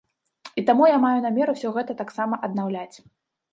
І таму я маю намер усё гэта таксама аднаўляць.